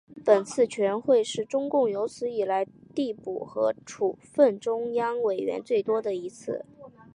本次全会是中共有史以来递补和处分中央委员最多的一次。